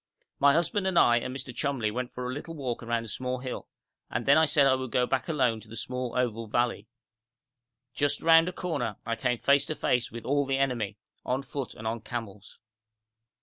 My husband and I and Mr. Cholmley went for a little walk round a small hill, and then I said I would go back alone to the small, oval valley. Just round a corner I came face to face with all the enemy, on foot and on camels.